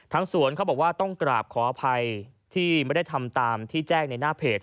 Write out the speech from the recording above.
สวนเขาบอกว่าต้องกราบขออภัยที่ไม่ได้ทำตามที่แจ้งในหน้าเพจ